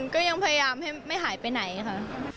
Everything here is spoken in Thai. ก็ยังพยายามไม่หายไปไหนค่ะ